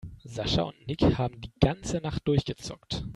Sascha und Nick haben die ganze Nacht durchgezockt.